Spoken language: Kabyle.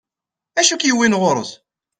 Acu ik-yewwin ɣur-s?